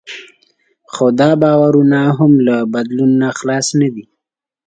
خو دا باورونه هم له بدلون نه خلاص نه دي.